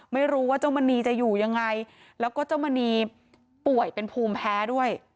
ไม่รู้ว่าเจ้ามณีจะอยู่ยังไงแล้วก็เจ้ามณีป่วยเป็นภูมิแพ้ด้วย